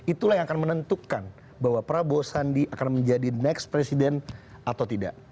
itulah yang akan menentukan bahwa prabowo sandi akan menjadi next presiden atau tidak